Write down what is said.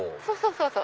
そうそう。